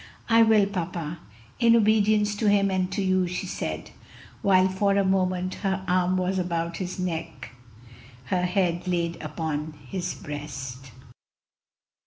"I will, papa, in obedience to Him and to you," she said, while for a moment her arm was about his neck, her head laid upon his breast.